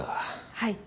はい。